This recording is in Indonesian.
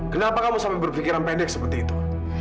kenapa kamu sampai berpikiran pendek seperti itu